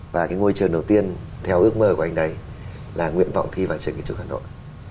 và cái ngôi trường đầu tiên theo ước mơ của anh đấy là nguyện vọng thi vào trường kiến trúc hà nội